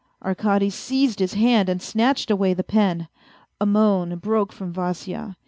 Arkady seized his hand and snatched away the pen. A moan broke from Vasya.